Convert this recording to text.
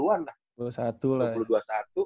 dua puluh an lah dua puluh satu lah ya